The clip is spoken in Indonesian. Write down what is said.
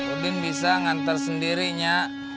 udin bisa nganter sendiri nya